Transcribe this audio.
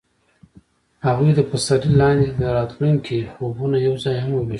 هغوی د پسرلی لاندې د راتلونکي خوبونه یوځای هم وویشل.